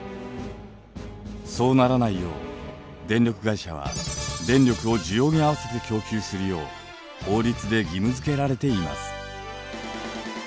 そうならないよう電力会社は電力を需要に合わせて供給するよう法律で義務づけられています。